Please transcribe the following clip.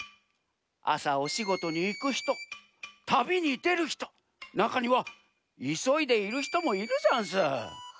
あさおしごとにいくひとたびにでるひとなかにはいそいでいるひともいるざんす。